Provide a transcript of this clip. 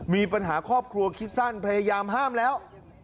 มีปัญหาครอบครัวคิดสั้นพยายามห้ามแล้ว